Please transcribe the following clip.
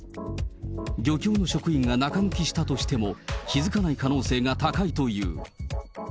漁協の職員が中抜きしたとしても、気付かない可能性が高いという。